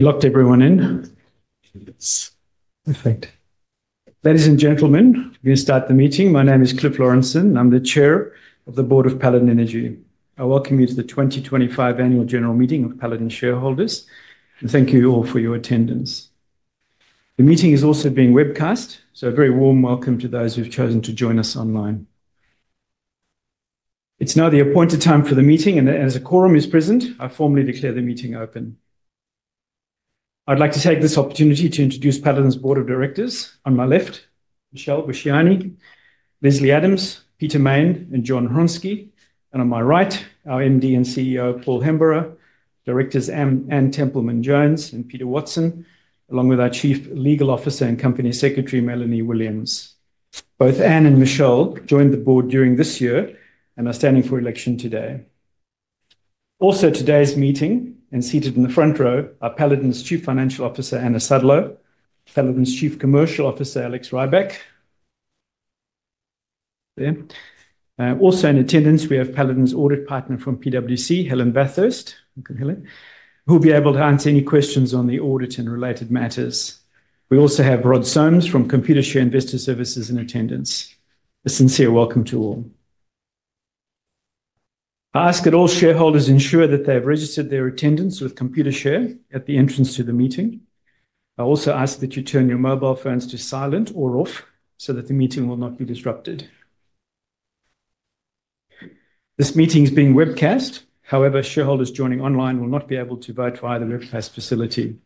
Locked everyone in. Yes. Perfect. Ladies and gentlemen, we're going to start the meeting. My name is Cliff Lawrenson. I'm the Chair of the Board of Paladin Energy. I welcome you to the 2025 Annual General Meeting of Paladin Shareholders, and thank you all for your attendance. The meeting is also being webcast, so a very warm welcome to those who've chosen to join us online. It's now the appointed time for the meeting, and as a quorum is present, I formally declare the meeting open. I'd like to take this opportunity to introduce Paladin's Board of Directors. On my left, Michelle Buchignani, Leslie Adams, Peter Main, and Jon Hronsky. On my right, our MD and CEO, Paul Hemburrow, Directors Anne Templeman-Jones and Peter Watson, along with our Chief Legal Officer and Company Secretary, Melanie Williams. Both Anne and Michelle joined the board during this year and are standing for election today. Also, today's meeting and seated in the front row are Paladin's Chief Financial Officer, Anna Sudlow, Paladin's Chief Commercial Officer, Alex Rybak. There. Also in attendance, we have Paladin's Audit Partner from PwC, Helen Bathurst. Thank you, Helen. Who'll be able to answer any questions on the audit and related matters. We also have Rod Somes from Computershare Investor Services in attendance. A sincere welcome to all. I ask that all shareholders ensure that they have registered their attendance with Computershare at the entrance to the meeting. I also ask that you turn your mobile phones to silent or off so that the meeting will not be disrupted. This meeting is being webcast. However, shareholders joining online will not be able to vote via the webcast facility.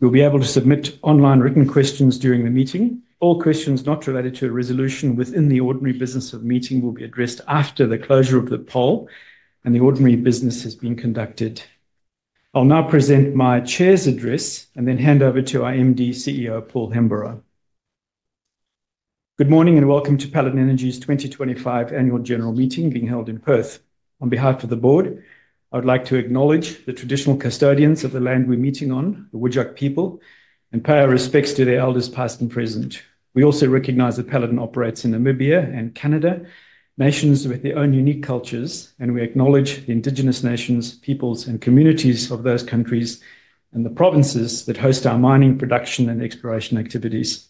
You'll be able to submit online written questions during the meeting. All questions not related to a resolution within the ordinary business of the meeting will be addressed after the closure of the poll, and the ordinary business has been conducted. I'll now present my Chair's address and then hand over to our MD, CEO, Paul Hemburrow. Good morning and welcome to Paladin Energy's 2025 Annual General Meeting being held in Perth. On behalf of the board, I would like to acknowledge the traditional custodians of the land we're meeting on, the Whadjuk people, and pay our respects to their elders, past and present. We also recognize that Paladin operates in Namibia and Canada, nations with their own unique cultures, and we acknowledge the Indigenous nations, peoples, and communities of those countries and the provinces that host our mining, production, and exploration activities.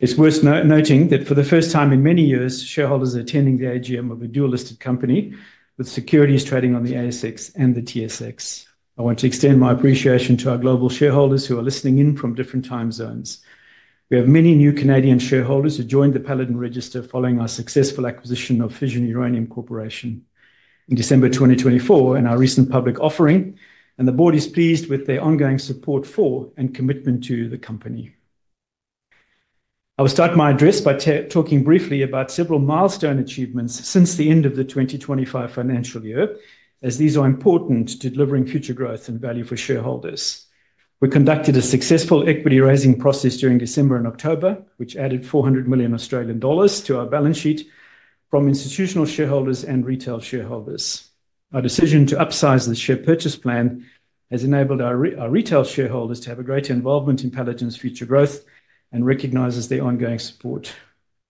It's worth noting that for the first time in many years, shareholders are attending the AGM of a dual-listed company with securities trading on the ASX and the TSX. I want to extend my appreciation to our global shareholders who are listening in from different time zones. We have many new Canadian shareholders who joined the Paladin register following our successful acquisition of Fission Uranium Corporation in December 2024 and our recent public offering, and the board is pleased with their ongoing support for and commitment to the company. I will start my address by talking briefly about several milestone achievements since the end of the 2025 financial year, as these are important to delivering future growth and value for shareholders. We conducted a successful equity raising process during December and October, which added 400 million Australian dollars to our balance sheet from institutional shareholders and retail shareholders. Our decision to upsize the Share Purchase Plan has enabled our retail shareholders to have a greater involvement in Paladin's future growth and recognizes their ongoing support.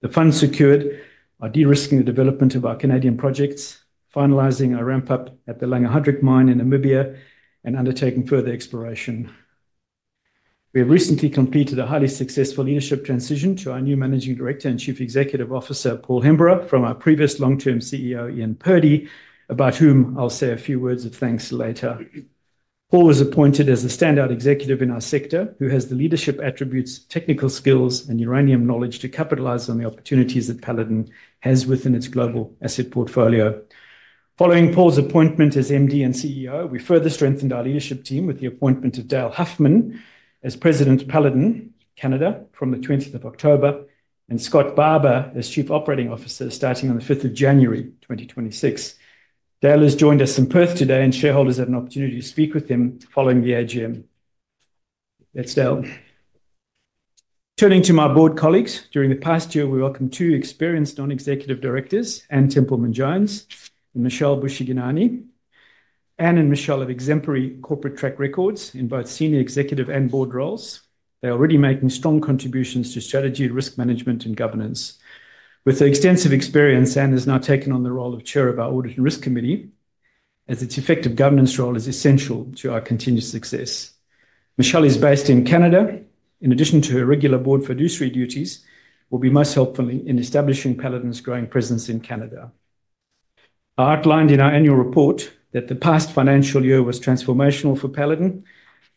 The funds secured are de-risking the development of our Canadian projects, finalizing a ramp-up at the Langer Heinrich Mine in Namibia and undertaking further exploration. We have recently completed a highly successful leadership transition to our new Managing Director and Chief Executive Officer, Paul Hemburrow, from our previous long-term CEO, Ian Purdy, about whom I'll say a few words of thanks later. Paul was appointed as a standout executive in our sector who has the leadership attributes, technical skills, and uranium knowledge to capitalize on the opportunities that Paladin has within its global asset portfolio. Following Paul's appointment as MD and CEO, we further strengthened our leadership team with the appointment of Dale Huffman as President of Paladin Canada from the 20th of October and Scott Barber as Chief Operating Officer starting on the 5th of January 2026. Dale has joined us in Perth today, and shareholders have an opportunity to speak with him following the AGM. That is Dale. Turning to my board colleagues, during the past year, we welcomed two experienced non-executive directors, Anne Templeman-Jones and Michelle Buchignan. Anne and Michelle have exemplary corporate track records in both senior executive and board roles. They are already making strong contributions to strategy, risk management, and governance. With her extensive experience, Anne has now taken on the role of Chair of our Audit and Risk Committee, as its effective governance role is essential to our continued success. Michelle is based in Canada. In addition to her regular board fiduciary duties, she will be most helpful in establishing Paladin's growing presence in Canada. I outlined in our annual report that the past financial year was transformational for Paladin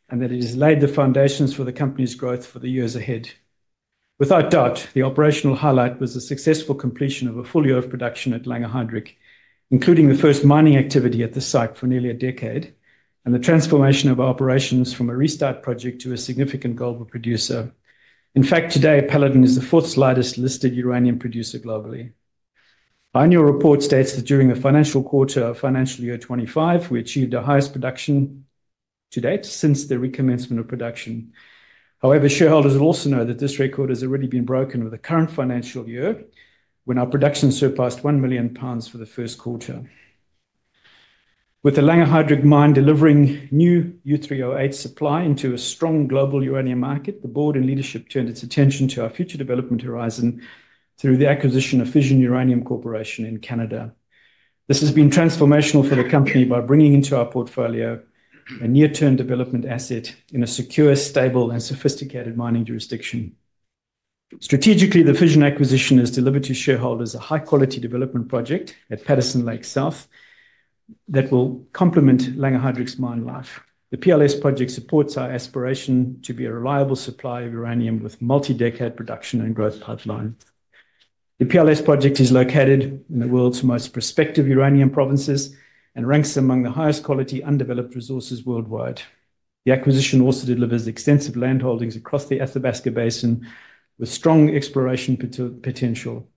and that it has laid the foundations for the company's growth for the years ahead. Without doubt, the operational highlight was the successful completion of a full year of production at Langer Heinrich, including the first mining activity at the site for nearly a decade and the transformation of our operations from a restart project to a significant global producer. In fact, today, Paladin is the fourth-largest listed uranium producer globally. Our annual report states that during the first quarter of financial year 2025, we achieved our highest production to date since the recommencement of production. However, shareholders will also know that this record has already been broken with the current financial year when our production surpassed $1 million for the first quarter. With the Langer Heinrich Mine delivering new U3O8 supply into a strong global uranium market, the board and leadership turned its attention to our future development horizon through the acquisition of Fission Uranium Corporation in Canada. This has been transformational for the company by bringing into our portfolio a near-term development asset in a secure, stable, and sophisticated mining jurisdiction. Strategically, the Fission acquisition has delivered to shareholders a high-quality development project at Patterson Lake South that will complement Langer Heinrich's mine life. The PLS project supports our aspiration to be a reliable supplier of uranium with multi-decade production and growth pipelines. The PLS project is located in the world's most prospective uranium provinces and ranks among the highest quality undeveloped resources worldwide. The acquisition also delivers extensive land holdings across the Athabasca Basin with strong exploration potential.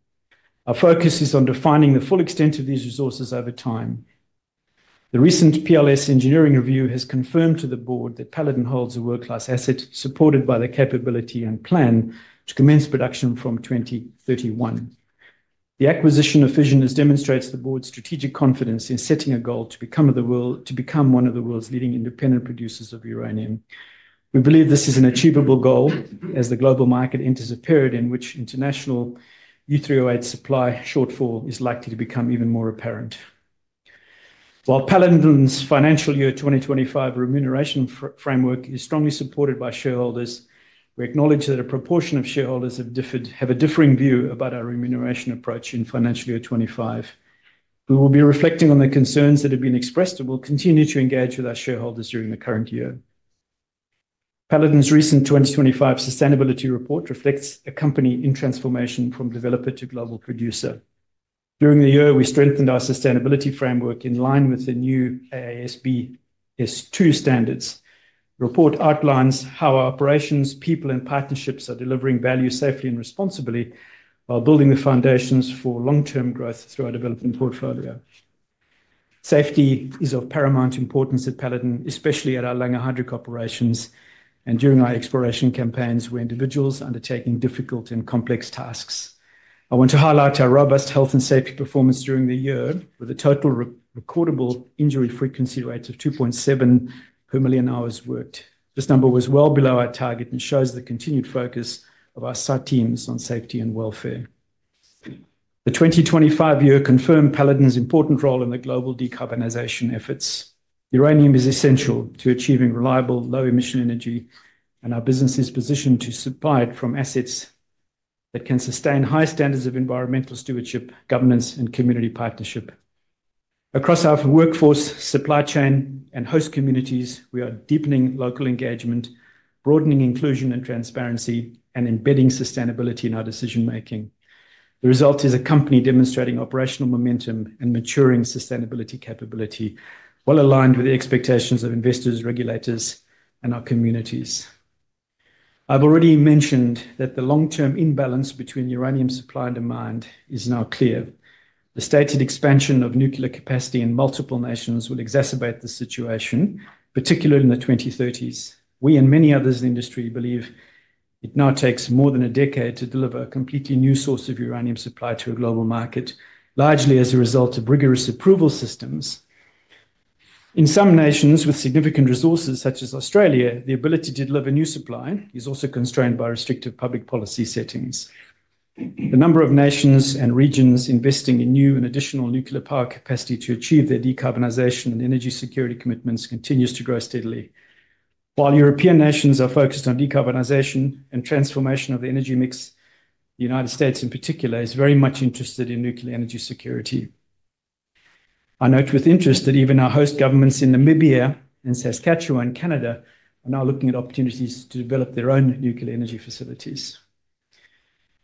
Our focus is on defining the full extent of these resources over time. The recent PLS engineering review has confirmed to the board that Paladin holds a world-class asset supported by the capability and plan to commence production from 2031. The acquisition of Fission demonstrates the board's strategic confidence in setting a goal to become one of the world's leading independent producers of uranium. We believe this is an achievable goal as the global market enters a period in which international U3O8 supply shortfall is likely to become even more apparent. While Paladin's financial year 2025 remuneration framework is strongly supported by shareholders, we acknowledge that a proportion of shareholders have a differing view about our remuneration approach in financial year 2025. We will be reflecting on the concerns that have been expressed and will continue to engage with our shareholders during the current year. Paladin's recent 2025 sustainability report reflects a company in transformation from developer to global producer. During the year, we strengthened our sustainability framework in line with the new AASB S2 standards. The report outlines how our operations, people, and partnerships are delivering value safely and responsibly while building the foundations for long-term growth through our development portfolio. Safety is of paramount importance at Paladin, especially at our Langer Heinrich operations and during our exploration campaigns where individuals are undertaking difficult and complex tasks. I want to highlight our robust health and safety performance during the year, with a total recordable injury frequency rate of 2.7 per million hours worked. This number was well below our target and shows the continued focus of our site teams on safety and welfare. The 2025 year confirmed Paladin's important role in the global decarbonization efforts. Uranium is essential to achieving reliable, low-emission energy, and our business is positioned to supply it from assets that can sustain high standards of environmental stewardship, governance, and community partnership. Across our workforce, supply chain, and host communities, we are deepening local engagement, broadening inclusion and transparency, and embedding sustainability in our decision-making. The result is a company demonstrating operational momentum and maturing sustainability capability, well aligned with the expectations of investors, regulators, and our communities. I've already mentioned that the long-term imbalance between uranium supply and demand is now clear. The stated expansion of nuclear capacity in multiple nations will exacerbate the situation, particularly in the 2030s. We and many others in the industry believe it now takes more than a decade to deliver a completely new source of uranium supply to a global market, largely as a result of rigorous approval systems. In some nations with significant resources, such as Australia, the ability to deliver new supply is also constrained by restrictive public policy settings. The number of nations and regions investing in new and additional nuclear power capacity to achieve their decarbonization and energy security commitments continues to grow steadily. While European nations are focused on decarbonization and transformation of the energy mix, the United States, in particular, is very much interested in nuclear energy security. I note with interest that even our host governments in Namibia and Saskatchewan, Canada, are now looking at opportunities to develop their own nuclear energy facilities.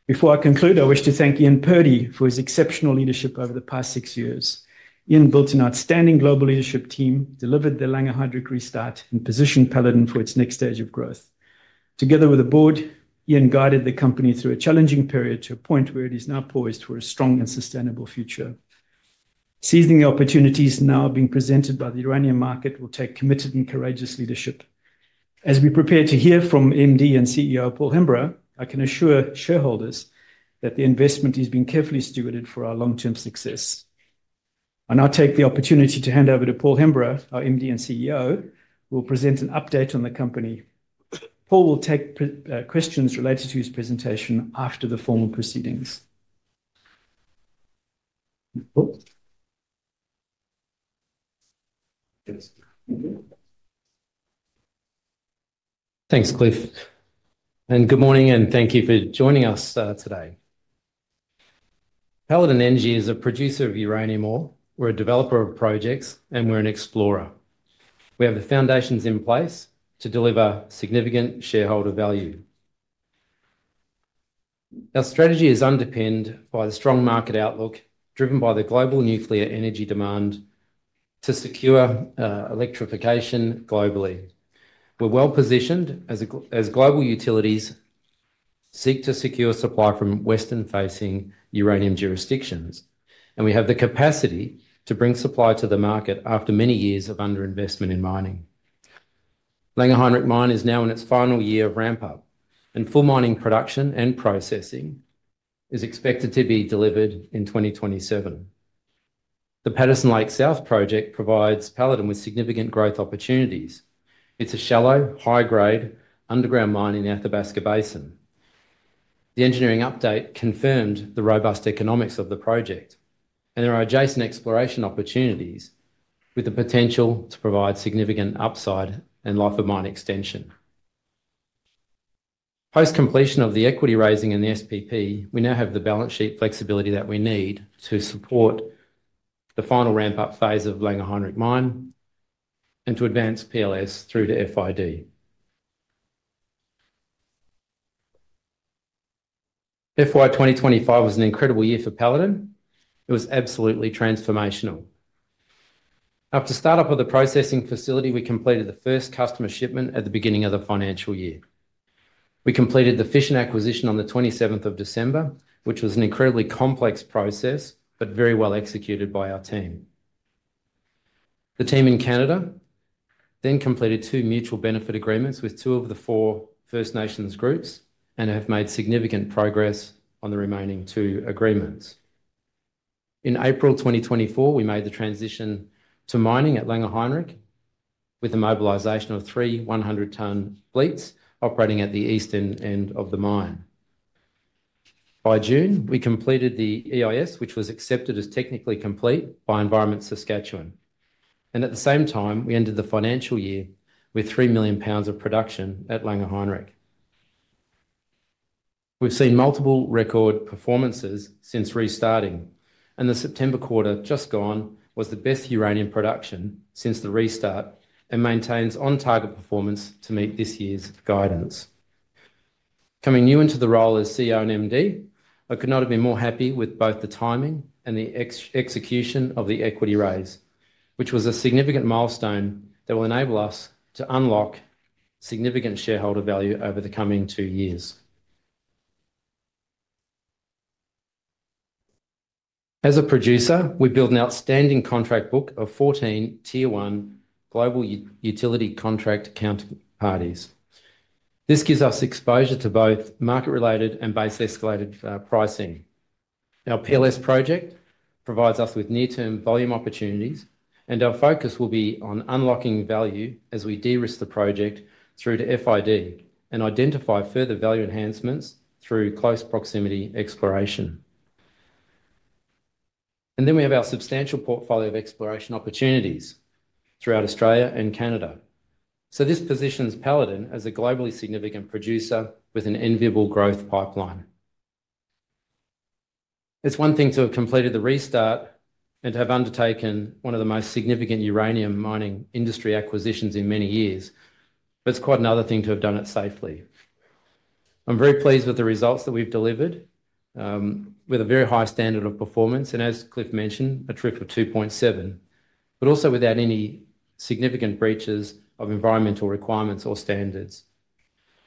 Before I conclude, I wish to thank Ian Purdy for his exceptional leadership over the past six years. Ian built an outstanding global leadership team, delivered the Langer Heinrich restart, and positioned Paladin for its next stage of growth. Together with the board, Ian guided the company through a challenging period to a point where it is now poised for a strong and sustainable future. Seizing the opportunities now being presented by the uranium market will take committed and courageous leadership. As we prepare to hear from MD and CEO Paul Hemburrow, I can assure shareholders that the investment is being carefully stewarded for our long-term success. I now take the opportunity to hand over to Paul Hemburrow, our MD and CEO, who will present an update on the company. Paul will take questions related to his presentation after the formal proceedings. Thanks, Cliff. Good morning, and thank you for joining us today. Paladin Energy is a producer of uranium ore. We're a developer of projects, and we're an explorer. We have the foundations in place to deliver significant shareholder value. Our strategy is underpinned by the strong market outlook driven by the global nuclear energy demand to secure electrification globally. We're well positioned as global utilities seek to secure supply from Western-facing uranium jurisdictions, and we have the capacity to bring supply to the market after many years of underinvestment in mining. Langer Heinrich Mine is now in its final year of ramp-up, and full mining production and processing is expected to be delivered in 2027. The Paterson Lake South project provides Paladin with significant growth opportunities. It's a shallow, high-grade underground mine in the Athabasca Basin. The engineering update confirmed the robust economics of the project, and there are adjacent exploration opportunities with the potential to provide significant upside and life of mine extension. Post-completion of the equity raising and the SPP, we now have the balance sheet flexibility that we need to support the final ramp-up phase of Langer Heinrich Mine and to advance PLS through to FID. FY 2025 was an incredible year for Paladin. It was absolutely transformational. After start-up of the processing facility, we completed the first customer shipment at the beginning of the financial year. We completed the Fission acquisition on the 27th of December, which was an incredibly complex process but very well executed by our team. The team in Canada then completed two mutual benefit agreements with two of the four First Nations groups and have made significant progress on the remaining two agreements. In April 2024, we made the transition to mining at Langer Heinrich with the mobilisation of three 100-tonne fleets operating at the eastern end of the mine. By June, we completed the EIS, which was accepted as technically complete by Environment Saskatchewan. At the same time, we ended the financial year with AUD 3 million of production at Langer Heinrich. We've seen multiple record performances since restarting, and the September quarter just gone was the best uranium production since the restart and maintains on-target performance to meet this year's guidance. Coming new into the role as CEO and MD, I could not have been more happy with both the timing and the execution of the equity raise, which was a significant milestone that will enable us to unlock significant shareholder value over the coming two years. As a producer, we build an outstanding contract book of 14 tier one global utility contract counterparties. This gives us exposure to both market-related and base-escalated pricing. Our PLS project provides us with near-term volume opportunities, and our focus will be on unlocking value as we de-risk the project through to FID and identify further value enhancements through close proximity exploration. We have our substantial portfolio of exploration opportunities throughout Australia and Canada. This positions Paladin as a globally significant producer with an enviable growth pipeline. It is one thing to have completed the restart and to have undertaken one of the most significant uranium mining industry acquisitions in many years, but it is quite another thing to have done it safely. I'm very pleased with the results that we've delivered with a very high standard of performance and, as Cliff mentioned, a TRIF of 2.7, but also without any significant breaches of environmental requirements or standards.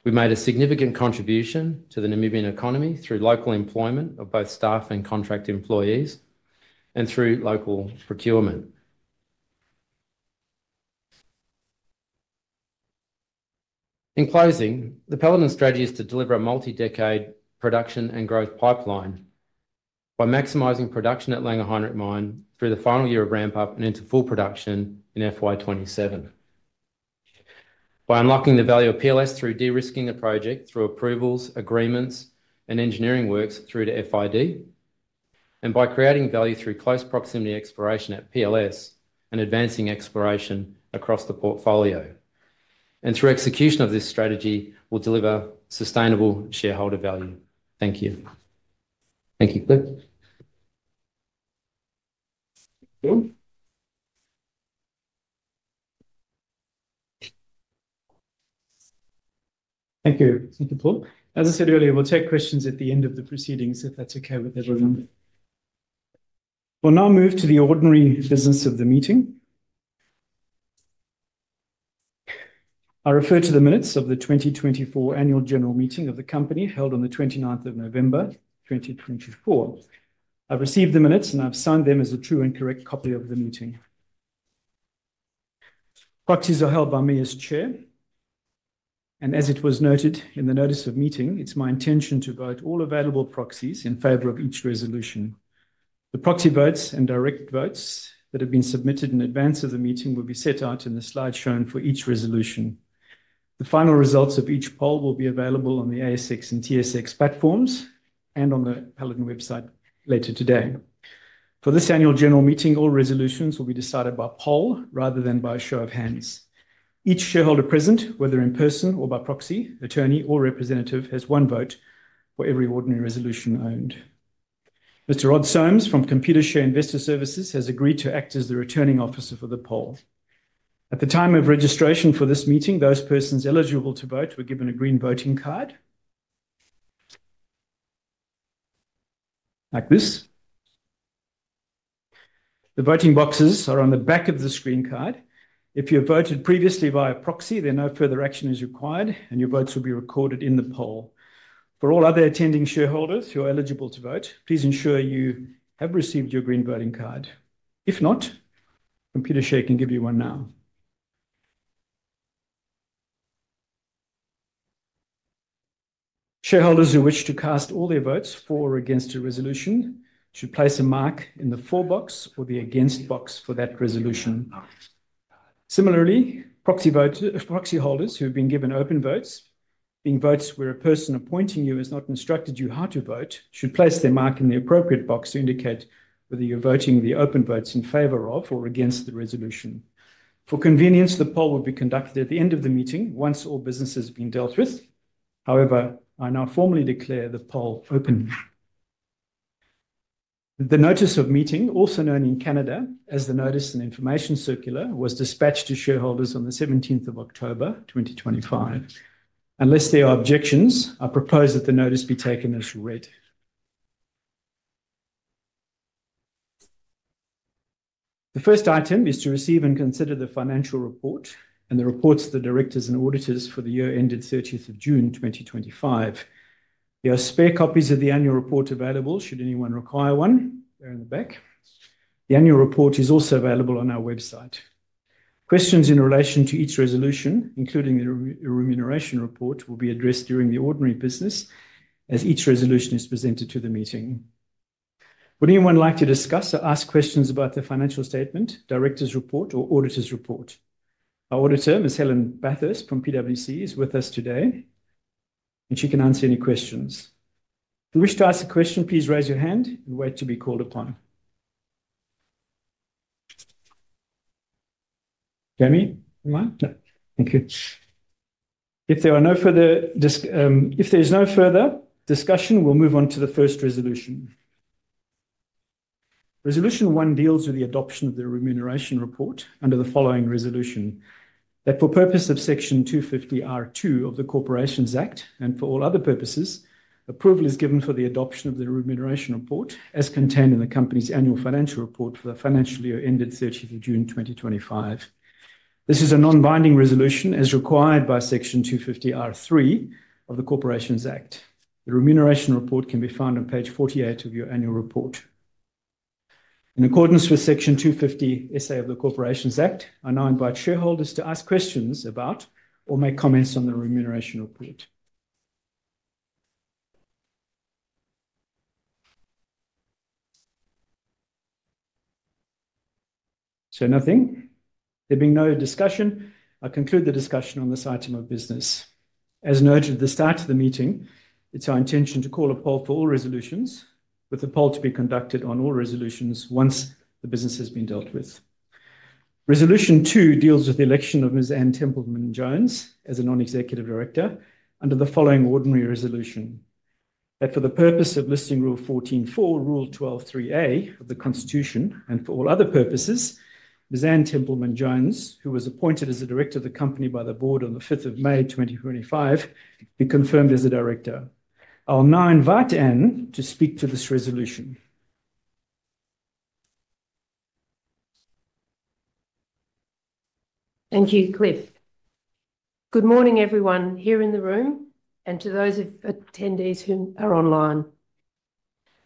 We made a significant contribution to the Namibian economy through local employment of both staff and contract employees and through local procurement. In closing, the Paladin strategy is to deliver a multi-decade production and growth pipeline by maximizing production at Langer Heinrich Mine through the final year of ramp-up and into full production in FY 2027, by unlocking the value of PLS through de-risking the project through approvals, agreements, and engineering works through to FID, and by creating value through close proximity exploration at PLS and advancing exploration across the portfolio. Through execution of this strategy, we'll deliver sustainable shareholder value. Thank you. Thank you, Cliff. Thank you, Paul. As I said earlier, we'll take questions at the end of the proceedings, if that's okay with everyone. We'll now move to the ordinary business of the meeting. I refer to the minutes of the 2024 annual general meeting of the company held on the 29th of November 2024. I've received the minutes, and I've signed them as a true and correct copy of the meeting. Proxies are held by me as Chair. As it was noted in the notice of meeting, it's my intention to vote all available proxies in favor of each resolution. The proxy votes and direct votes that have been submitted in advance of the meeting will be set out in the slideshow for each resolution. The final results of each poll will be available on the ASX and TSX platforms and on the Paladin website later today. For this annual general meeting, all resolutions will be decided by poll rather than by a show of hands. Each shareholder present, whether in person or by proxy, attorney, or representative, has one vote for every ordinary resolution owned. Mr. Rod Somes from Computershare Investor Services has agreed to act as the returning officer for the poll. At the time of registration for this meeting, those persons eligible to vote were given a green voting card like this. The voting boxes are on the back of the screen card. If you have voted previously via proxy, then no further action is required, and your votes will be recorded in the poll. For all other attending shareholders who are eligible to vote, please ensure you have received your green voting card. If not, Computershare can give you one now. Shareholders who wish to cast all their votes for or against a resolution should place a mark in the for box or the against box for that resolution. Similarly, proxy holders who have been given open votes, being votes where a person appointing you has not instructed you how to vote, should place their mark in the appropriate box to indicate whether you're voting the open votes in favor of or against the resolution. For convenience, the poll will be conducted at the end of the meeting once all business has been dealt with. However, I now formally declare the poll open. The notice of meeting, also known in Canada as the Notice and Information Circular, was dispatched to shareholders on the 17th of October 2025. Unless there are objections, I propose that the notice be taken as read. The first item is to receive and consider the financial report and the reports of the directors and auditors for the year ended 30th of June 2025. There are spare copies of the annual report available should anyone require one there in the back. The annual report is also available on our website. Questions in relation to each resolution, including the remuneration report, will be addressed during the ordinary business as each resolution is presented to the meeting. Would anyone like to discuss or ask questions about the financial statement, director's report, or auditor's report? Our auditor, Ms. Helen Bathurst from PwC, is with us today, and she can answer any questions. If you wish to ask a question, please raise your hand and wait to be called upon. Jamie? Thank you. If there are no further discussions, if there is no further discussion, we'll move on to the first resolution. Resolution one deals with the adoption of the remuneration report under the following resolution: that for purpose of Section 250(r)(2) of the Corporations Act and for all other purposes, approval is given for the adoption of the remuneration report as contained in the company's annual financial report for the financial year ended 30th of June 2025. This is a non-binding resolution as required by Section 250(r)(3) of the Corporations Act. The remuneration report can be found on page 48 of your annual report. In accordance with Section 250(a) of the Corporations Act, I now invite shareholders to ask questions about or make comments on the remuneration report. So nothing. There being no discussion, I conclude the discussion on this item of business. As noted at the start of the meeting, it's our intention to call a poll for all resolutions, with the poll to be conducted on all resolutions once the business has been dealt with. Resolution two deals with the election of Ms. Anne Templeman-Jones as a non-executive director under the following ordinary resolution: that for the purpose of Listing Rule 14(4), Rule 12(3)(a) of the Constitution, and for all other purposes, Ms. Anne Templeman-Jones, who was appointed as a director of the company by the board on the 5th of May 2025, be confirmed as a director. I'll now invite Anne to speak to this resolution. Thank you, Cliff. Good morning, everyone here in the room, and to those attendees who are online.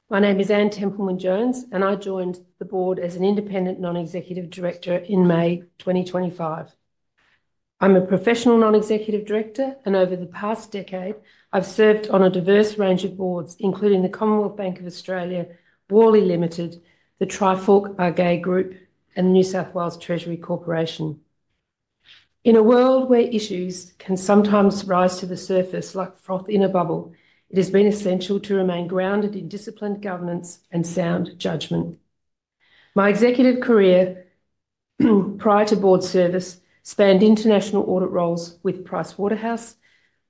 My name is Anne Templeman-Jones, and I joined the board as an independent non-executive director in May 2025. I'm a professional non-executive director, and over the past decade, I've served on a diverse range of boards, including the Commonwealth Bank of Australia, Worley Ltd, the Trifork Aga Group, and the New South Wales Treasury Corporation. In a world where issues can sometimes rise to the surface like froth in a bubble, it has been essential to remain grounded in disciplined governance and sound judgment. My executive career prior to board service spanned international audit roles with Pricewaterhouse,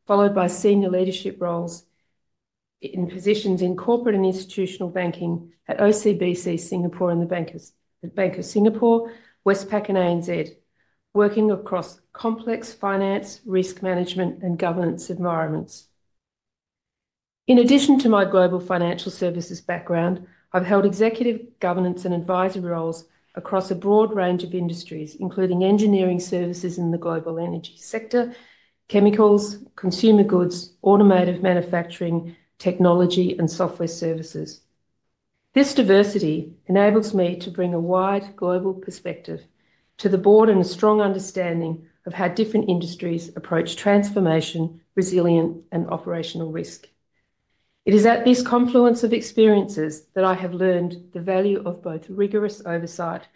followed by senior leadership roles in positions in corporate and institutional banking at OCBC Singapore and the Bank of Singapore, Westpac, and ANZ, working across complex finance, risk management, and governance environments. In addition to my global financial services background, I've held executive governance and advisory roles across a broad range of industries, including engineering services in the global energy sector, chemicals, consumer goods, automotive manufacturing, technology, and software services. This diversity enables me to bring a wide global perspective to the board and a strong understanding of how different industries approach transformation, resilience, and operational risk. It is at this confluence of experiences that I have learned the value of both rigorous oversight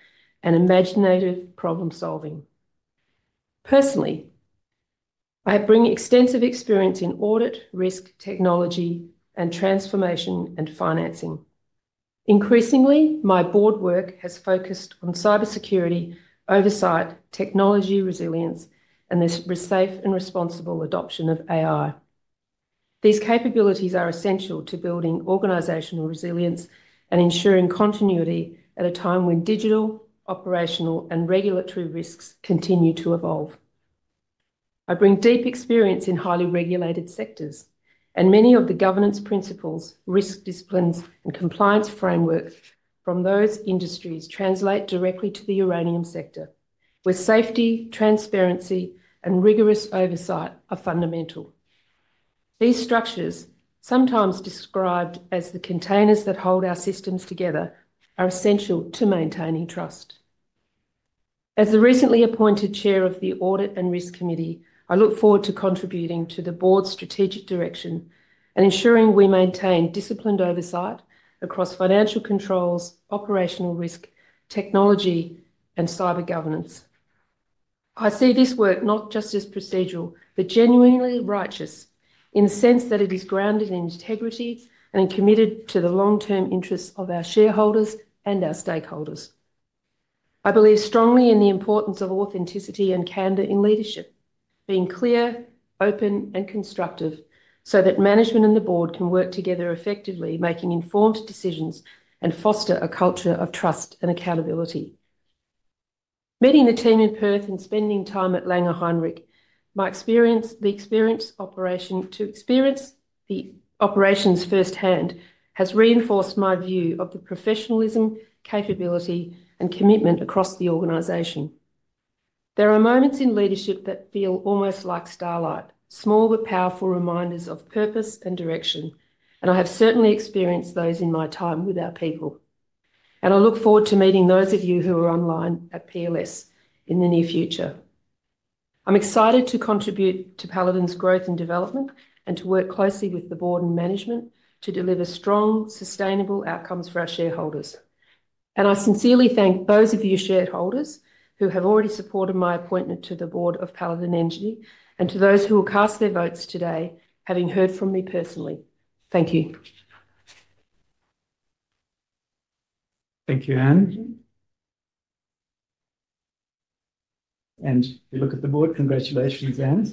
and imaginative problem-solving. Personally, I bring extensive experience in audit, risk, technology, and transformation and financing. Increasingly, my board work has focused on cybersecurity, oversight, technology resilience, and the safe and responsible adoption of AI. These capabilities are essential to building organizational resilience and ensuring continuity at a time when digital, operational, and regulatory risks continue to evolve. I bring deep experience in highly regulated sectors, and many of the governance principles, risk disciplines, and compliance frameworks from those industries translate directly to the uranium sector, where safety, transparency, and rigorous oversight are fundamental. These structures, sometimes described as the containers that hold our systems together, are essential to maintaining trust. As the recently appointed Chair of the Audit and Risk Committee, I look forward to contributing to the board's strategic direction and ensuring we maintain disciplined oversight across financial controls, operational risk, technology, and cyber governance. I see this work not just as procedural, but genuinely righteous in the sense that it is grounded in integrity and committed to the long-term interests of our shareholders and our stakeholders. I believe strongly in the importance of authenticity and candor in leadership, being clear, open, and constructive so that management and the board can work together effectively, making informed decisions and fostering a culture of trust and accountability. Meeting the team in Perth and spending time at Langer Heinrich, my experience, the experience operation to experience the operations firsthand, has reinforced my view of the professionalism, capability, and commitment across the organization. There are moments in leadership that feel almost like starlight, small but powerful reminders of purpose and direction, and I have certainly experienced those in my time with our people. I look forward to meeting those of you who are online at PLS in the near future. I'm excited to contribute to Paladin's growth and development and to work closely with the board and management to deliver strong, sustainable outcomes for our shareholders. I sincerely thank those of you shareholders who have already supported my appointment to the board of Paladin Energy and to those who will cast their votes today, having heard from me personally. Thank you. Thank you, Anne. If you look at the board, congratulations, Anne.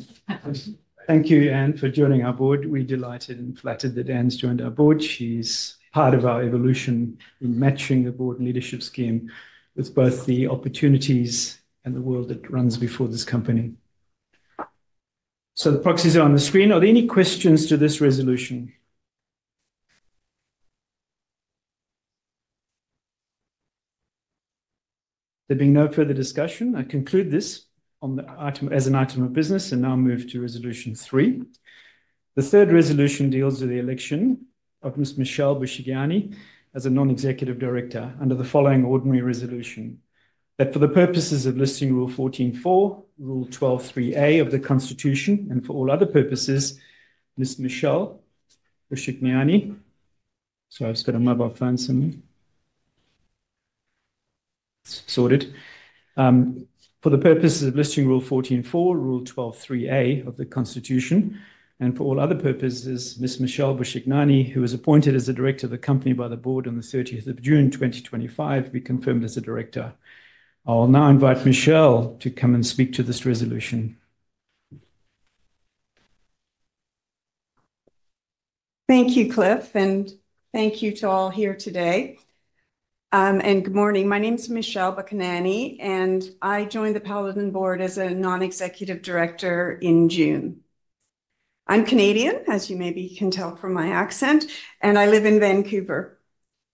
Thank you, Anne, for joining our board. We're delighted and flattered that Anne's joined our board. She's part of our evolution in matching the board leadership scheme with both the opportunities and the world that runs before this company. The proxies are on the screen. Are there any questions to this resolution? There being no further discussion, I conclude this as an item of business and now move to resolution three. The third resolution deals with the election of Ms. Michelle Buchignan as a non-executive director under the following ordinary resolution: that for the purposes of Listing Rule 14(4), Rule 12(3)(a) of the Constitution, and for all other purposes, Ms. Michelle Buchignan—sorry, I've got a mobile phone somewhere—sorted. For the purposes of Listing Rule 14(4), Rule 12(3)(a) of the Constitution, and for all other purposes, Ms. Michelle Buchignan, who was appointed as a director of the company by the board on the 30th of June 2025, be confirmed as a director. I'll now invite Michelle to come and speak to this resolution. Thank you, Cliff, and thank you to all here today. Good morning. My name's Michele Buchignani, and I joined the Paladin board as a Non-Executive Director in June. I'm Canadian, as you maybe can tell from my accent, and I live in Vancouver.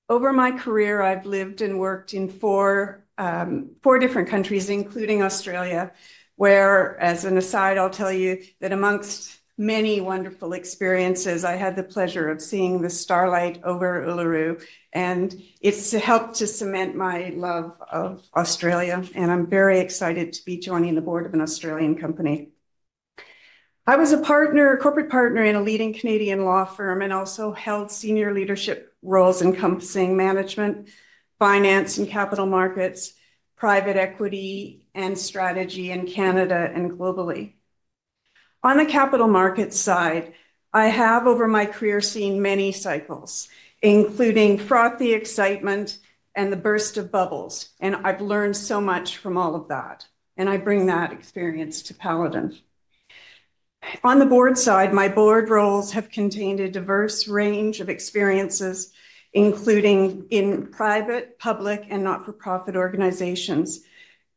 Over my career, I've lived and worked in four different countries, including Australia, where, as an aside, I'll tell you that amongst many wonderful experiences, I had the pleasure of seeing the starlight over Uluru, and it's helped to cement my love of Australia, and I'm very excited to be joining the board of an Australian company. I was a partner, a corporate partner in a leading Canadian law firm and also held senior leadership roles encompassing management, finance and capital markets, private equity, and strategy in Canada and globally. On the capital markets side, I have, over my career, seen many cycles, including frothy excitement and the burst of bubbles, and I've learned so much from all of that, and I bring that experience to Paladin. On the board side, my board roles have contained a diverse range of experiences, including in private, public, and not-for-profit organizations,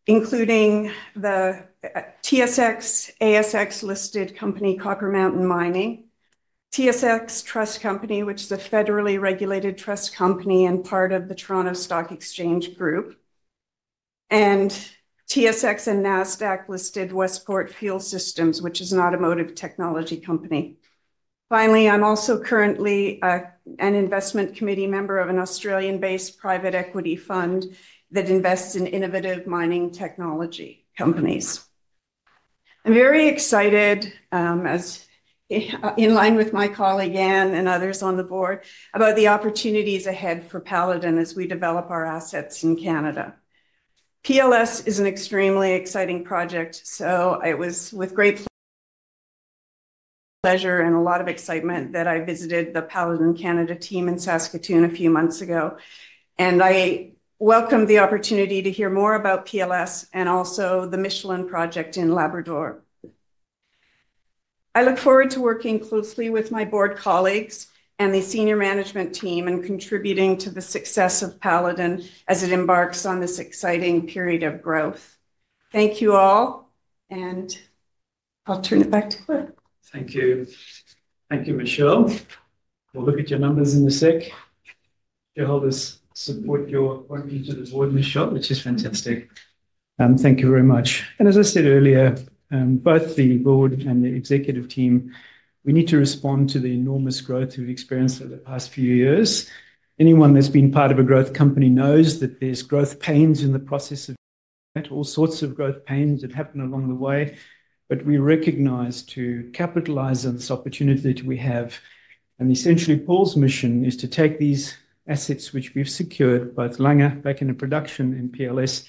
including the TSX, ASX-listed company Copper Mountain Mining, TSX Trust Company, which is a federally regulated trust company and part of the Toronto Stock Exchange Group, and TSX and NASDAQ-listed Westport Fuel Systems, which is an automotive technology company. Finally, I'm also currently an investment committee member of an Australian-based private equity fund that invests in innovative mining technology companies. I'm very excited, as in line with my colleague Anne and others on the board, about the opportunities ahead for Paladin as we develop our assets in Canada. PLS is an extremely exciting project, so it was with great pleasure and a lot of excitement that I visited the Paladin Canada team in Saskatoon a few months ago, and I welcomed the opportunity to hear more about PLS and also the Michelin Project in Labrador. I look forward to working closely with my board colleagues and the senior management team and contributing to the success of Paladin as it embarks on this exciting period of growth. Thank you all, and I'll turn it back to Cliff. Thank you. Thank you, Michelle. We'll look at your numbers in a sec. Shareholders support your appointment to the board, Michelle, which is fantastic. Thank you very much. As I said earlier, both the board and the executive team, we need to respond to the enormous growth we've experienced over the past few years. Anyone that's been part of a growth company knows that there's growth pains in the process, all sorts of growth pains that happen along the way, but we recognize to capitalize on this opportunity that we have. Essentially, Paul's mission is to take these assets which we've secured, both Langer back in the production in PLS,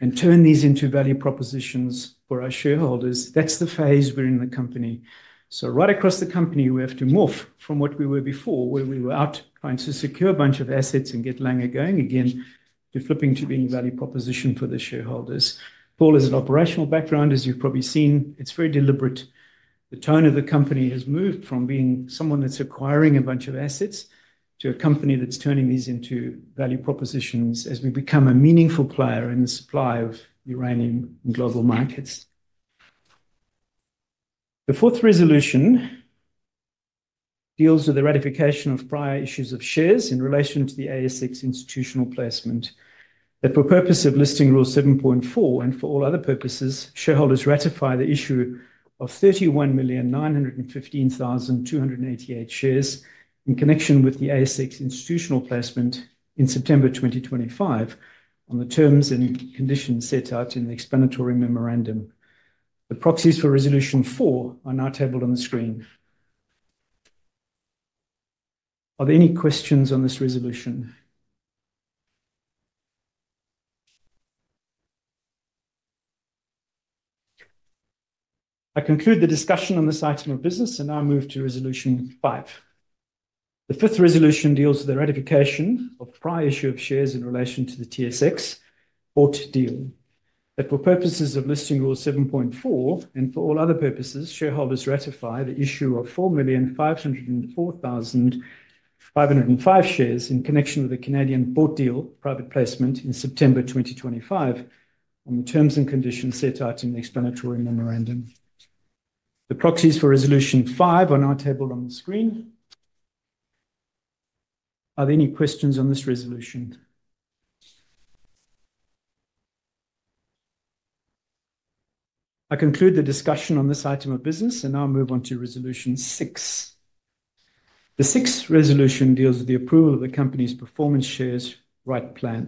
and turn these into value propositions for our shareholders. That's the phase we're in the company. Right across the company, we have to morph from what we were before, where we were out trying to secure a bunch of assets and get Langer going again, to flipping to being a value proposition for the shareholders. Paul has an operational background, as you've probably seen. It's very deliberate. The tone of the company has moved from being someone that's acquiring a bunch of assets to a company that's turning these into value propositions as we become a meaningful player in the supply of uranium in global markets. The fourth resolution deals with the ratification of prior issues of shares in relation to the ASX institutional placement. That for purpose of Listing Rule 7.4 and for all other purposes, shareholders ratify the issue of 31,915,288 shares in connection with the ASX institutional placement in September 2025 on the terms and conditions set out in the explanatory memorandum. The proxies for Resolution 4 are now tabled on the screen. Are there any questions on this resolution? I conclude the discussion on this item of business, and now move to Resolution 5. The fifth resolution deals with the ratification of prior issue of shares in relation to the TSX bought deal. That for purposes of Listing Rule 7.4 and for all other purposes, shareholders ratify the issue of 4,504,505 shares in connection with the Canadian bought deal private placement in September 2025 on the terms and conditions set out in the explanatory memorandum. The proxies for Resolution 5 are now tabled on the screen. Are there any questions on this resolution? I conclude the discussion on this item of business, and now move on to Resolution 6. The sixth resolution deals with the approval of the company's performance shares rights plan.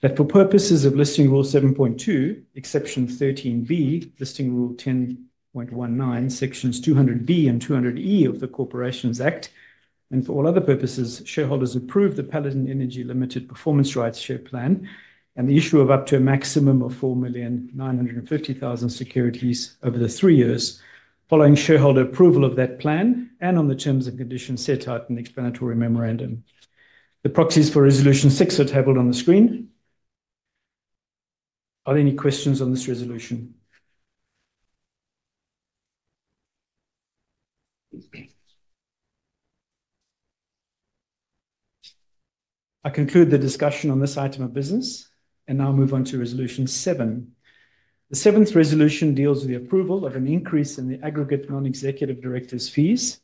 That for purposes of Listing Rule 7.2, Exception 13-B, Listing Rule 10.19, Sections 200-B and 200-E of the Corporations Act, and for all other purposes, shareholders approve the Paladin Energy Ltd Performance Rights Share Plan and the issue of up to a maximum of 4,950,000 securities over the three years following shareholder approval of that plan and on the terms and conditions set out in the explanatory memorandum. The proxies for Resolution 6 are tabled on the screen. Are there any questions on this resolution? I conclude the discussion on this item of business, and now move on to Resolution 7. The seventh resolution deals with the approval of an increase in the aggregate non-executive directors' fees.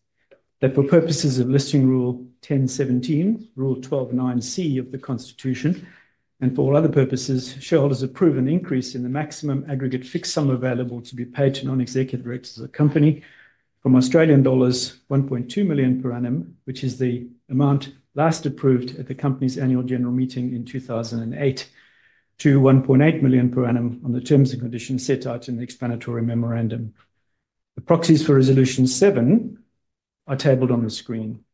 That for purposes of Listing Rule 1017, Rule 12(9)(c) of the Constitution, and for all other purposes, shareholders approve an increase in the maximum aggregate fixed sum available to be paid to non-executive directors of the company from Australian dollars 1.2 million per annum, which is the amount last approved at the company's annual general meeting in 2008, to 1.8 million per annum on the terms and conditions set out in the explanatory memorandum. The proxies for Resolution 7 are tabled on the screen.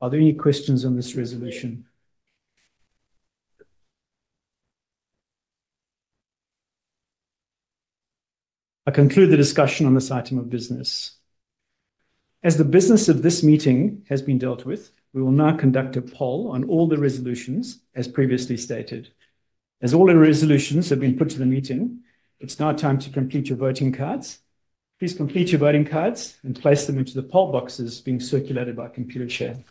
Are there any questions on this resolution? I conclude the discussion on this item of business. As the business of this meeting has been dealt with, we will now conduct a poll on all the resolutions as previously stated. As all the resolutions have been put to the meeting, it's now time to complete your voting cards. Please complete your voting cards and place them into the poll boxes being circulated by Computershare. Okay. Yeah, that's cool. One more back there. All good, right? In fact, we're all done.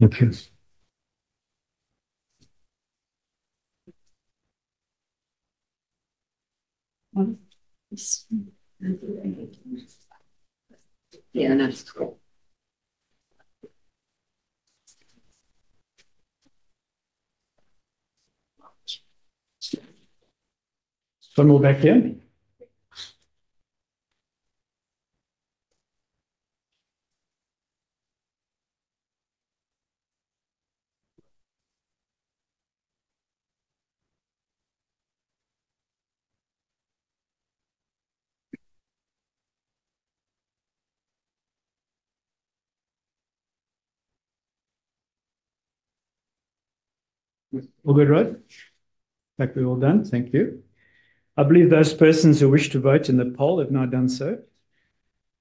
Thank you. I believe those persons who wish to vote in the poll have now done so.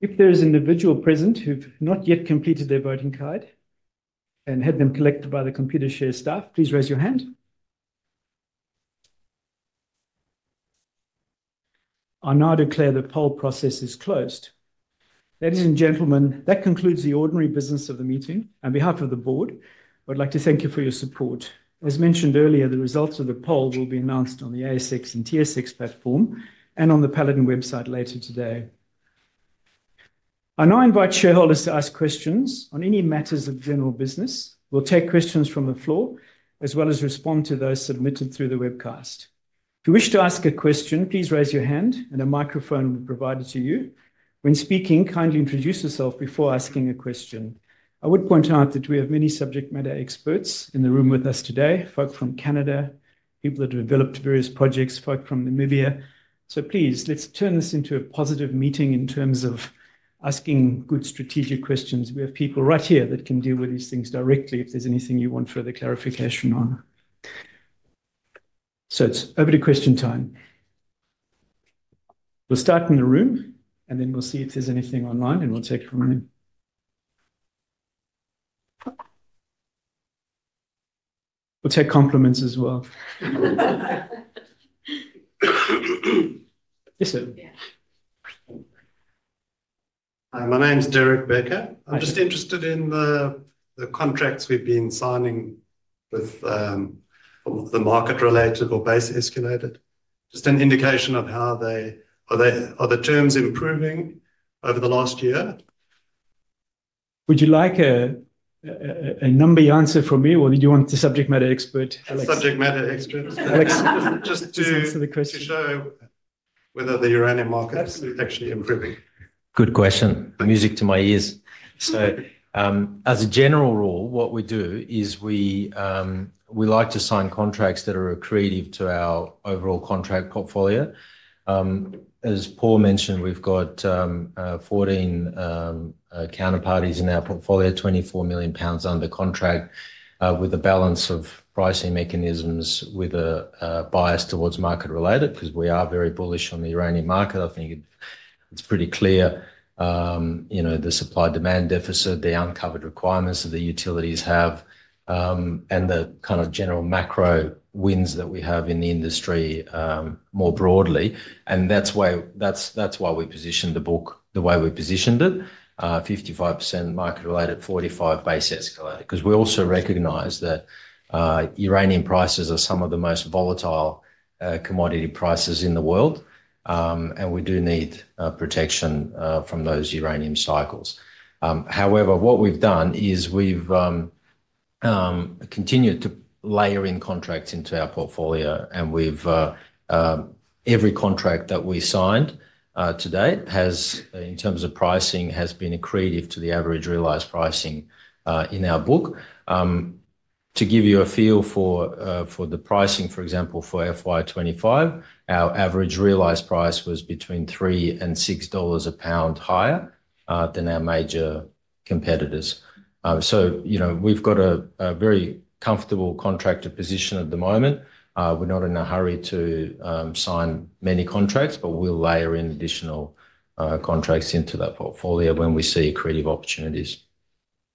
If there is an individual present who has not yet completed their voting card and had them collected by the Computershare staff, please raise your hand. I now declare the poll process is closed. Ladies and gentlemen, that concludes the ordinary business of the meeting. On behalf of the Board, I would like to thank you for your support. As mentioned earlier, the results of the poll will be announced on the ASX and TSX platform and on the Paladin website later today. I now invite shareholders to ask questions on any matters of general business. We'll take questions from the floor as well as respond to those submitted through the webcast. If you wish to ask a question, please raise your hand, and a microphone will be provided to you. When speaking, kindly introduce yourself before asking a question. I would point out that we have many subject matter experts in the room with us today, folk from Canada, people that have developed various projects, folk from Namibia. Please, let's turn this into a positive meeting in terms of asking good strategic questions. We have people right here that can deal with these things directly if there's anything you want further clarification on. It is over to question time. We'll start in the room, and then we'll see if there's anything online, and we'll take from there. We'll take compliments as well. Yes, sir. Yeah. My name's Derek Becker. I'm just interested in the contracts we've been signing with the market-related or base-escalated. Just an indication of how they are, the terms improving over the last year. Would you like a number answer from me, or did you want the subject matter expert, Alex? Subject matter expert, Alex. Just to show whether the uranium market is actually improving. Good question. Music to my ears. As a general rule, what we do is we like to sign contracts that are accretive to our overall contract portfolio. As Paul mentioned, we've got 14 counterparties in our portfolio, $24 million under contract with a balance of pricing mechanisms with a bias towards market-related because we are very bullish on the uranium market. I think it's pretty clear the supply-demand deficit, the uncovered requirements that the utilities have, and the kind of general macro winds that we have in the industry more broadly. That is why we positioned the book the way we positioned it, 55% market-related, 45% base-escalated, because we also recognize that uranium prices are some of the most volatile commodity prices in the world, and we do need protection from those uranium cycles. However, what we've done is we've continued to layer in contracts into our portfolio, and every contract that we signed to date has, in terms of pricing, been accretive to the average realized pricing in our book. To give you a feel for the pricing, for example, for FY2025, our average realized price was between $3-$6 a pound higher than our major competitors. We have a very comfortable contract position at the moment. We're not in a hurry to sign many contracts, but we'll layer in additional contracts into that portfolio when we see accretive opportunities.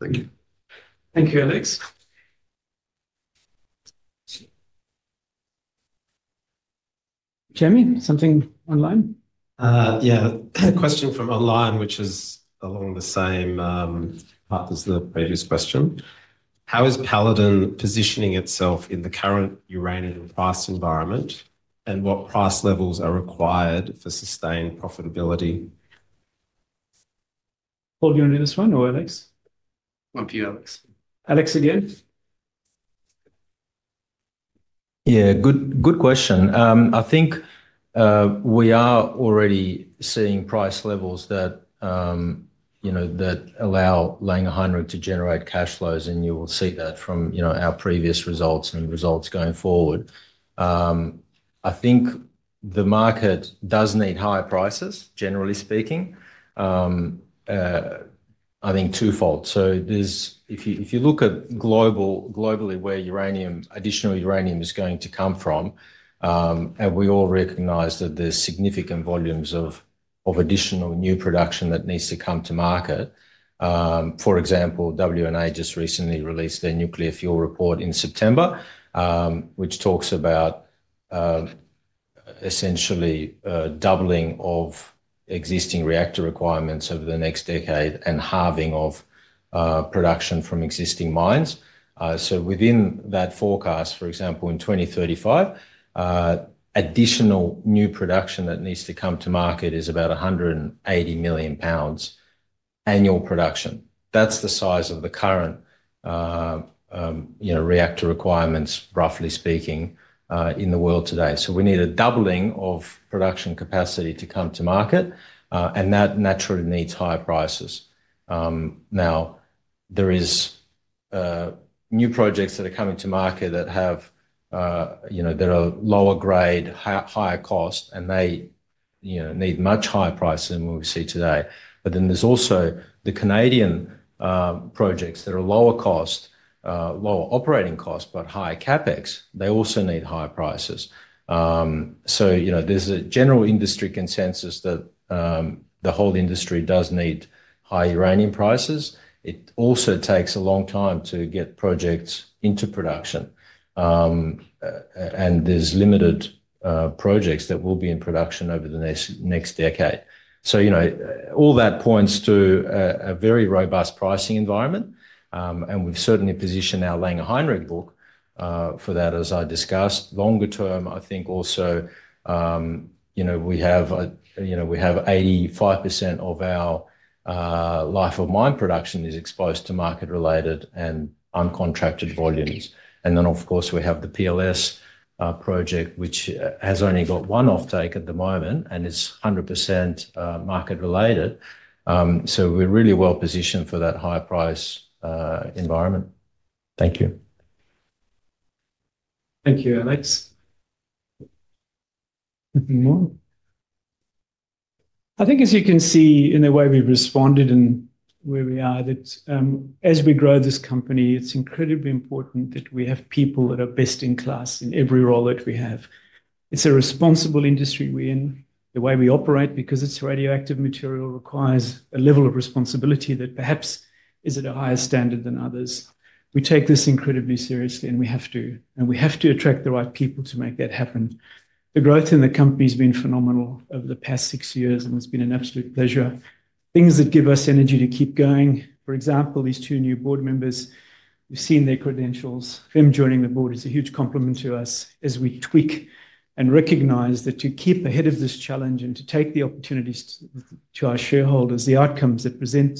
Thank you. Thank you, Alex. Jamie, something online? Yeah. Question from online, which is along the same part as the previous question. How is Paladin positioning itself in the current uranium price environment, and what price levels are required for sustained profitability? Paul, do you want to do this one or Alex? One for you, Alex. Alex again. Yeah. Good question. I think we are already seeing price levels that allow Langer Heinrich to generate cash flows, and you will see that from our previous results and results going forward. I think the market does need higher prices, generally speaking. I think twofold. If you look at globally where additional uranium is going to come from, and we all recognize that there's significant volumes of additional new production that needs to come to market. For example, W&A just recently released their nuclear fuel report in September, which talks about essentially doubling of existing reactor requirements over the next decade and halving of production from existing mines. Within that forecast, for example, in 2035, additional new production that needs to come to market is about £180 million annual production. That's the size of the current reactor requirements, roughly speaking, in the world today. We need a doubling of production capacity to come to market, and that naturally needs higher prices. There are new projects that are coming to market that are lower grade, higher cost, and they need much higher prices than we see today. There are also the Canadian projects that are lower cost, lower operating cost, but higher CapEx. They also need higher prices. There is a general industry consensus that the whole industry does need high uranium prices. It also takes a long time to get projects into production, and there are limited projects that will be in production over the next decade. All that points to a very robust pricing environment, and we have certainly positioned our Langer Heinrich book for that, as I discussed. Longer term, I think also we have 85% of our life of mine production exposed to market-related and uncontracted volumes. Then, of course, we have the PLS project, which has only got one offtake at the moment and is 100% market-related. We are really well positioned for that high-price environment. Thank you. Thank you, Alex. Over to Paul. I think, as you can see in the way we've responded and where we are, that as we grow this company, it's incredibly important that we have people that are best in class in every role that we have. It's a responsible industry we're in. The way we operate, because it's radioactive material, requires a level of responsibility that perhaps is at a higher standard than others. We take this incredibly seriously, and we have to. We have to attract the right people to make that happen. The growth in the company has been phenomenal over the past six years, and it's been an absolute pleasure. Things that give us energy to keep going. For example, these two new board members, we've seen their credentials. Them joining the board is a huge compliment to us as we tweak and recognize that to keep ahead of this challenge and to take the opportunities to our shareholders, the outcomes that present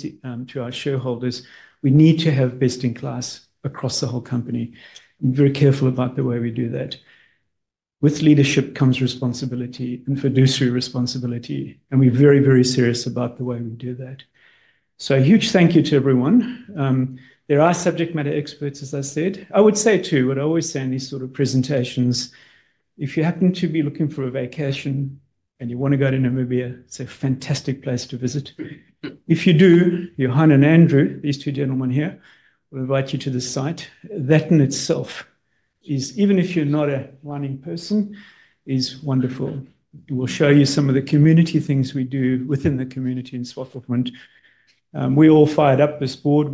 to our shareholders, we need to have best in class across the whole company. We're very careful about the way we do that. With leadership comes responsibility and fiduciary responsibility, and we're very, very serious about the way we do that. A huge thank you to everyone. There are subject matter experts, as I said. I would say too, what I always say in these sort of presentations, if you happen to be looking for a vacation and you want to go to Namibia, it's a fantastic place to visit. If you do, Johan and Andrew, these two gentlemen here, will invite you to the site. That in itself, even if you're not a running person, is wonderful. We'll show you some of the community things we do within the community in Swakopmund. We all fired up this board.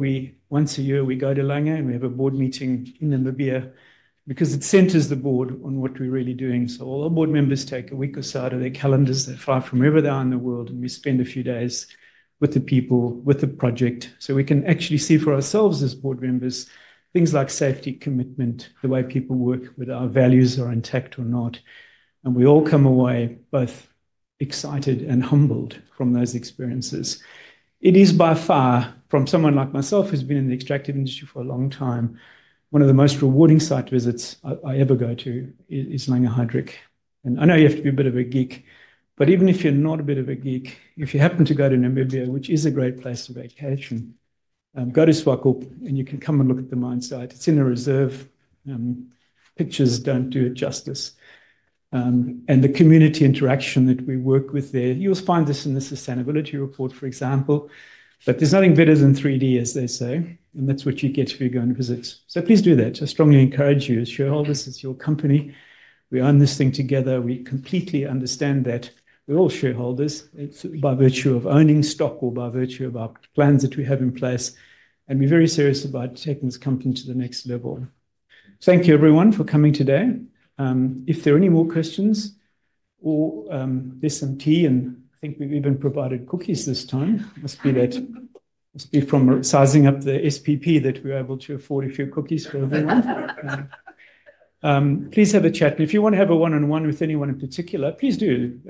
Once a year, we go to Langer, and we have a board meeting in Namibia because it centers the board on what we're really doing. All our board members take a week or so out of their calendars that fly from wherever they are in the world, and we spend a few days with the people, with the project. We can actually see for ourselves as board members things like safety commitment, the way people work, whether our values are intact or not. We all come away both excited and humbled from those experiences. It is by far, from someone like myself who's been in the extractive industry for a long time, one of the most rewarding site visits I ever go to is Langer Heinrich. I know you have to be a bit of a geek, but even if you're not a bit of a geek, if you happen to go to Namibia, which is a great place to vacation, go to Swakopmund, and you can come and look at the mine site. It's in a reserve. Pictures do not do it justice. The community interaction that we work with there, you'll find this in the sustainability report, for example. There is nothing better than 3D, as they say, and that's what you get if you go and visit. Please do that. I strongly encourage you as shareholders, as your company. We own this thing together. We completely understand that we're all shareholders by virtue of owning stock or by virtue of our plans that we have in place. We are very serious about taking this company to the next level. Thank you, everyone, for coming today. If there are any more questions, or this and tea, and I think we've even provided cookies this time. Must be that must be from sizing up the SPP that we were able to afford a few cookies for everyone. Please have a chat. If you want to have a one-on-one with anyone in particular, please do.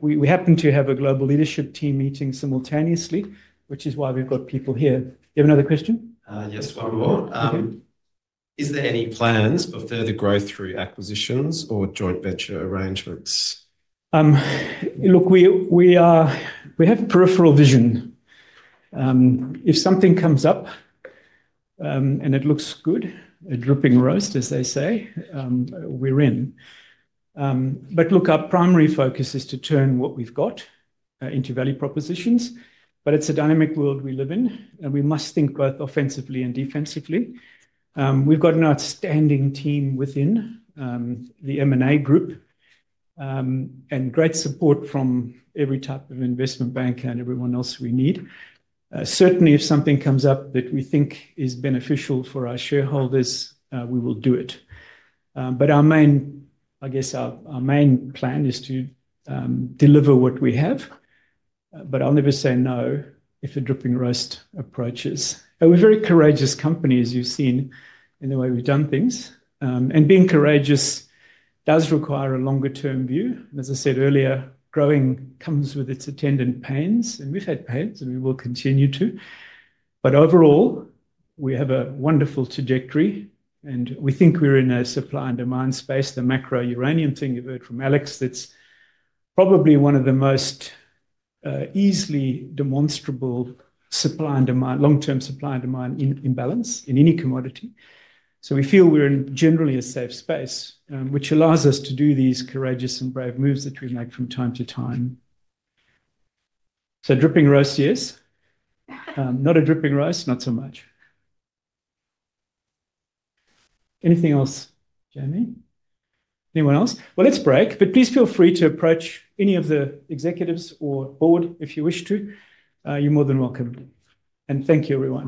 We happen to have a global leadership team meeting simultaneously, which is why we've got people here. Do you have another question? Yes, one more. Is there any plans for further growth through acquisitions or joint venture arrangements? Look, we have peripheral vision. If something comes up and it looks good, a dripping roast, as they say, we're in. Look, our primary focus is to turn what we've got into value propositions. It's a dynamic world we live in, and we must think both offensively and defensively. We've got an outstanding team within the M&A group and great support from every type of investment bank and everyone else we need. Certainly, if something comes up that we think is beneficial for our shareholders, we will do it. I guess our main plan is to deliver what we have. I'll never say no if a dripping roast approaches. We're a very courageous company, as you've seen in the way we've done things. Being courageous does require a longer-term view. As I said earlier, growing comes with its attendant pains, and we've had pains, and we will continue to. But overall, we have a wonderful trajectory, and we think we're in a supply and demand space. The macro uranium thing you've heard from Alex, that's probably one of the most easily demonstrable long-term supply and demand imbalance in any commodity. We feel we're in generally a safe space, which allows us to do these courageous and brave moves that we make from time to time. Dripping roast, yes. Not a dripping roast, not so much. Anything else, Jamie? Anyone else? Let's break, but please feel free to approach any of the executives or board if you wish to. You're more than welcome. Thank you, everyone.